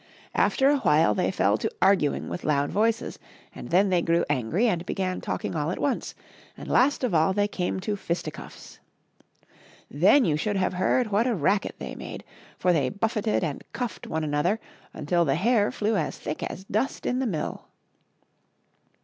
After a while they fell to aiding with loud voices, and then they grew angry and began talking all at once, and last of all they came to fisticuffs. Then you should have heard what a racket they made! for they buffeted and cuffed one another until the hair flew as thick as dust in the mill.